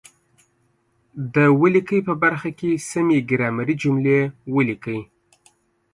د ولیکئ په برخه کې سمې ګرامري جملې ولیکئ.